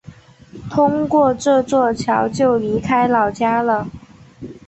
通过这桥就离开老家了